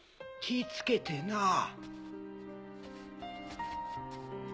気ぃつけてなぁ。